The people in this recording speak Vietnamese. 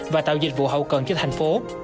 và tạo dịch vụ hậu cần cho thành phố